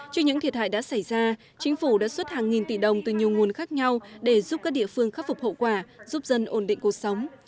trên những thiệt hại đã xảy ra chính phủ đã xuất hàng nghìn tỷ đồng từ nhiều nguồn khác nhau để giúp các địa phương khắc phục hậu quả giúp dân ổn định cuộc sống